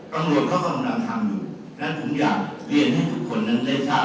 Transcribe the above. ตรงนั้นก็อย่างนี้พี่ได้ยืมดูแลนด์ทำอยู่